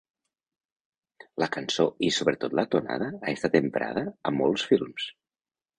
La cançó i sobretot la tonada ha estat emprada a molts films.